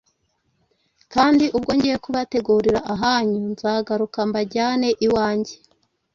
Kandi ubwo ngiye kubategurira ahanyu, nzagaruka mbajyane iwanjye